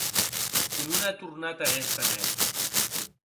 Que non a tornat aguesta net.